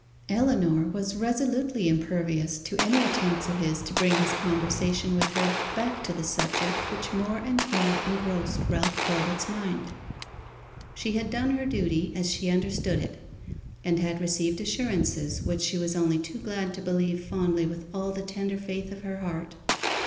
Ellinor was resolutely impervious to any attempts of his to bring his conversation with her back to the subject which more and more engrossed Ralph Corbet's mind. She had done her duty, as she understood it; and had received assurances which she was only too glad to believe fondly with all the tender faith of her heart.